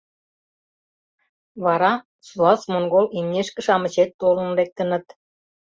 Вара суас-монгол имнешке-шамычет толын лектыныт.